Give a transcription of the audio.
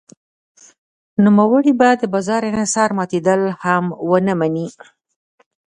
نوموړی به د بازار انحصار ماتېدل هم ونه مني.